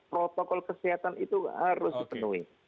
protokol kesehatan itu harus dipenuhi